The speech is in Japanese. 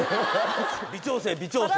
微調整微調整。